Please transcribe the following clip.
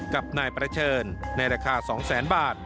กับนายประเชิญในราคา๒๐๐๐๐บาท